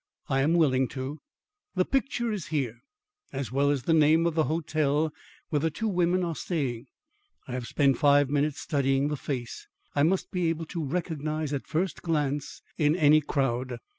I am willing to. The picture is here, as well as the name of the hotel where the two women are staying. I have spent five minutes studying the face I must be able to recognise at first glance in any crowd.